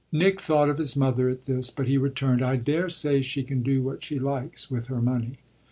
Nick thought of his mother at this, but he returned: "I daresay she can do what she likes with her money."